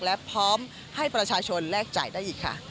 และพร้อมให้ประชาชนแลกจ่ายได้อีกค่ะ